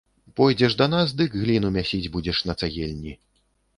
Пойдзеш да нас, дык гліну мясіць будзеш на цагельні.